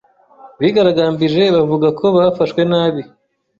Bigaragambije bavuga ko bafashwe nabi